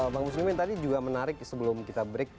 bang muslimin tadi juga menarik sebelum kita break